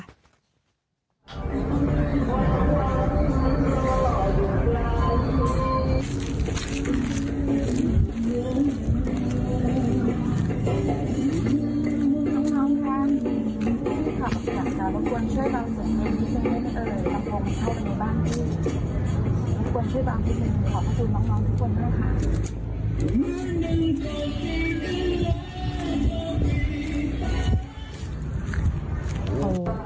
ขอบคุณมากทุกคนแล้วค่ะ